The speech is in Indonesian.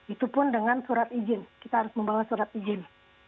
itu pun dengan surat izin kita harus membawa surat izin